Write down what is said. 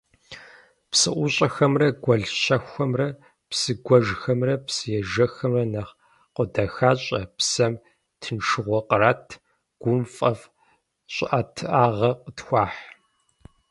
Псыӏущӏэхэмрэ гуэл щэхухэмрэ, псыгуэжхэмрэ псыежэххэмрэ нэм къодэхащӏэ, псэм тыншыгъуэ кърат, гум фӏэфӏ щӏыӏэтыӏагъэ къытхуахь.